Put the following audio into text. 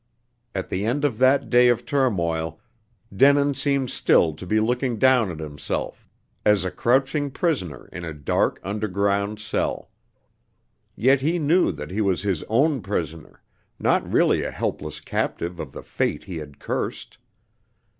At the end of that day of turmoil, Denin seemed still to be looking down at himself, as a crouching prisoner in a dark underground cell. Yet he knew that he was his own prisoner, not really a helpless captive of the Fate he had cursed.